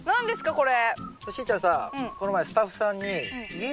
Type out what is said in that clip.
これ。